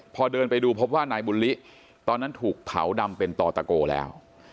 พอเดินไปดูพบว่านายบุญลิตอนนั้นถูกเผาดำเป็นต่อตะโกแล้ว